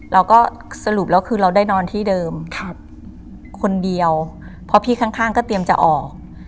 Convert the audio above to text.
เราก็สรุปแล้วคือเราได้นอนที่เดิมคนเดียวเพราะพี่ข้างก็เตรียมจะออก